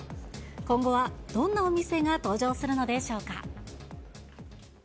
今後はどんなお店が登場するのでしょうか。